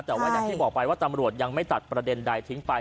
แต่ว่าอย่างที่บอกไปว่าตำรวจยังไม่ตัดประเด็นใดทิ้งไป